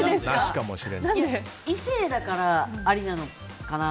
異性だからありなのかな